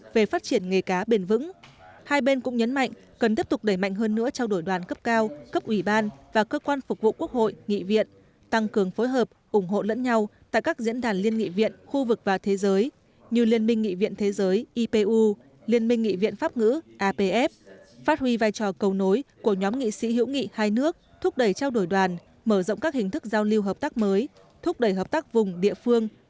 về phát triển nghề cá bền vững hai bên cũng nhấn mạnh cần tiếp tục đẩy mạnh hơn nữa trao đổi đoàn cấp cao cấp ủy ban và cơ quan phục vụ quốc hội nghị viện tăng cường phối hợp ủng hộ lẫn nhau tại các diễn đàn liên nghị viện khu vực và thế giới như liên minh nghị viện thế giới ipu liên minh nghị viện pháp ngữ apf phát huy vai trò cầu nối của nhóm nghị sĩ hữu nghị hai nước thúc đẩy trao đổi đoàn mở rộng các hình thức giao lưu hợp tác mới thúc đẩy hợp tác vùng địa phương và do